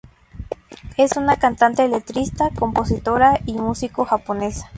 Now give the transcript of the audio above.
Es una cantante, letrista, compositora y músico japonesa.